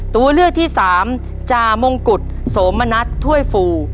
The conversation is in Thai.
ตัวเลือกที่สามจามงกุฎโสมณัฐถ้วยฟู